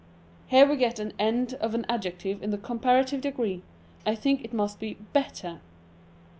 Here we get an end of an adjective in the comparative degree ; I think it must be better.